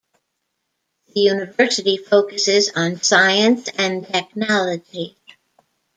The University focuses on science and technology.